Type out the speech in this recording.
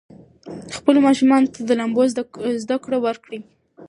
خپلو ماشومانو ته د لامبو زده کړه ورکړئ.